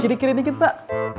kiri kiri dikit pak